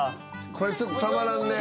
これちょっとたまらんね。